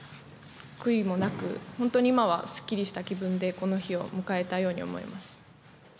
悔いもなく本当に今はすっきりした気分でこの日を迎えたように思います。